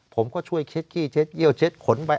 ผมก็ช่วยเช็ดกี้เช็ดเยี่ยวเช็ดขนไป